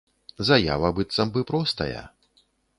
Заява быццам бы простая.